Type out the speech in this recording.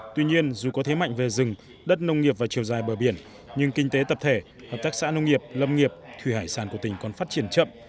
tuy nhiên dù có thế mạnh về rừng đất nông nghiệp và chiều dài bờ biển nhưng kinh tế tập thể hợp tác xã nông nghiệp lâm nghiệp thủy hải sản của tỉnh còn phát triển chậm